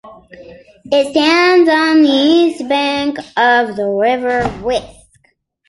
It stands on the east bank of the River Wiske.